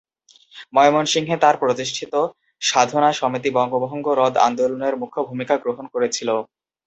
ময়মনসিংহে তার প্রতিষ্ঠিত সাধনা সমিতি বঙ্গভঙ্গ রদ আন্দোলনের মুখ্য ভূমিকা গ্রহণ করেছিলো।